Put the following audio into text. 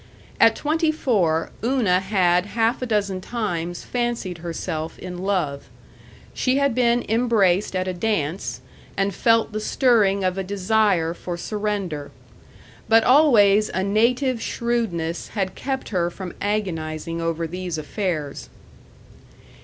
At twenty four Una had half a dozen times fancied herself in love. She had been embraced at a dance, and felt the stirring of a desire for surrender. But always a native shrewdness had kept her from agonizing over these affairs.